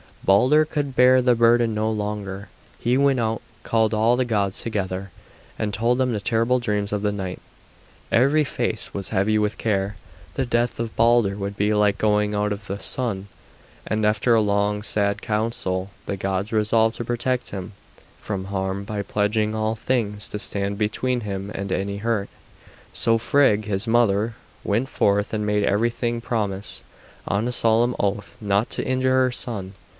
Balder could bear the burden no longer. He went out, called all the gods together, and told them the terrible dreams of the night. Every face was heavy with care. The death of Balder would be like the going out of the sun, and after a long, sad council the gods resolved to protect him from harm by pledging all things to stand between him and any hurt. So Frigg, his mother, went forth and made everything promise, on a solemn oath, not to injure her son.